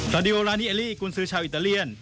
ดิโอร้านิเอลลี่กุญซื้อชาวอิตาเลียน